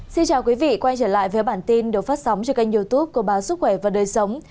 xin chào quý vị quay trở lại với bản tin được phát sóng trên kênh youtube của báo sức khỏe và đời sống